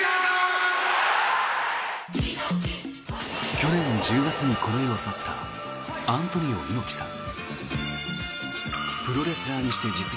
去年１０月にこの世を去ったアントニオ猪木さん。